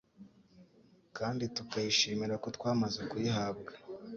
kandi tukayishimira ko twamaze kuyihabwa.